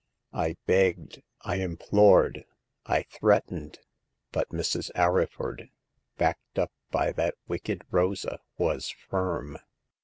I begged, I implored, I threatened ; but Mrs. Arryford, backed up by that wicked Rosa, was firm.